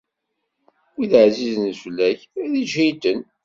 Wid ɛzizen fell-ak, ad iǧhiden.